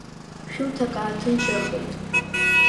Шәымҭак ааҭынчрахеит.